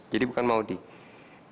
jadi bukan maudie